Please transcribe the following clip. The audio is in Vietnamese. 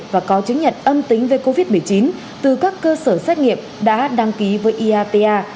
và có chứng nhận âm tính với covid một mươi chín từ các cơ sở xét nghiệm đã đăng ký với iapa